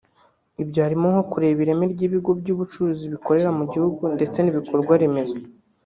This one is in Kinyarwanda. Ibyo harimo nko kureba ireme ry’ibigo by’ubucuruzi bikorera mu gihugu ndetse n’ibikorwa remezo